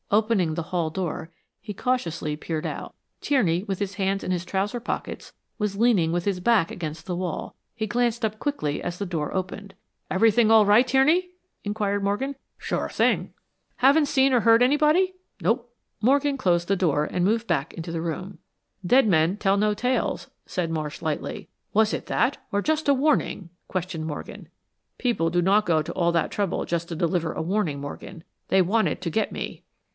Opening the hall door he cautiously peered out. Tierney, with his hands in his trouser pockets, was leaning with his back against the wall. He glanced up quickly as the door opened. "Everything all right, Tierney?" inquired Morgan. "Sure thing." "Haven't seen or heard anybody?" "Nope." Morgan closed the door and moved back into the room. "'Dead men tell no tales'," said Marsh, lightly. "Was it that, or just a warning?" questioned Morgan. "People do not go to all that trouble just to deliver a warning, Morgan. They wanted to get me."